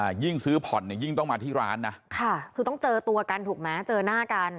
ยิ่งซื้อผ่อนเนี้ยยิ่งต้องมาที่ร้านนะค่ะคือต้องเจอตัวกันถูกไหมเจอหน้ากัน